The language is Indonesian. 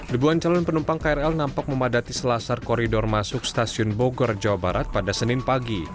ribuan calon penumpang krl nampak memadati selasar koridor masuk stasiun bogor jawa barat pada senin pagi